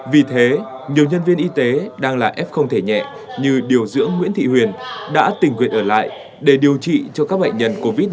vì thế nhiều nhân viên y tế đang là f không thể nhẹ như điều dưỡng nguyễn thị huyền đã tình nguyện ở lại để điều trị cho các bệnh nhân covid một mươi chín